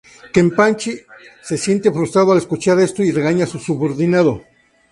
Kenpachi se siente frustrado al escuchar esto y regaña a su subordinado.